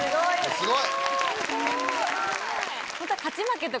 すごい！